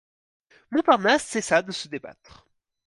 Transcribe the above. Montparnasse cessa de se débattre.